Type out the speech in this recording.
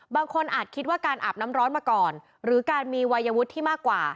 อาจคิดว่าการอาบน้ำร้อนมาก่อนหรือการมีวัยวุฒิที่มากกว่า